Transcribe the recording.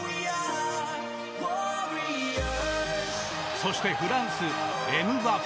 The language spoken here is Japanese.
そしてフランス、エムバペ。